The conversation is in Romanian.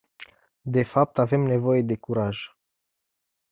De fapt avem nevoie de curaj!